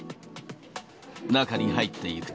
中に入っていくと。